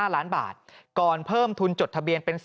ปี๖๕วันเกิดปี๖๔ไปร่วมงานเช่นเดียวกัน